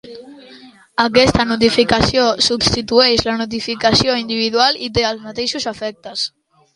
Aquesta notificació substitueix la notificació individual i té els mateixos efectes.